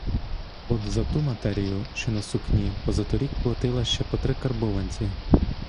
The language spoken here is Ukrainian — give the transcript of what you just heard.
От за ту матерію, що на сукні, позаторік платила ще по три карбованці!